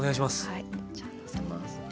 はいじゃあのせます。